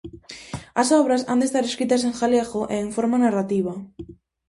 As obras han de estar escritas en galego e en forma narrativa.